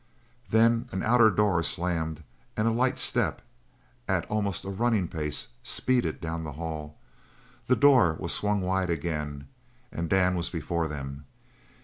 Then an outer door slammed and a light step, at an almost running pace speeded down the hall, the door was swung wide again, and Dan was before them.